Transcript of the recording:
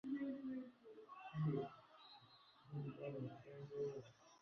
kuvutia wa uwanja wa ndege wa kuwasili